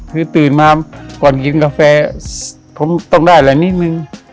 คือตื่นมาก่อนกินกาแฟผมต้องได้อะไรนิดนึง